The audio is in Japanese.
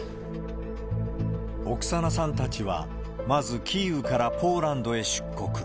オクサナさんたちは、まずキーウからポーランドへ出国。